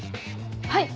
はい。